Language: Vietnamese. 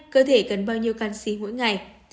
hai cơ thể cần bao nhiêu canxi mỗi ngày